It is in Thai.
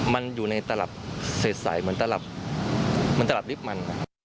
มันอยู่ในตลับเศษใสเหมือนตลับลิฟมัน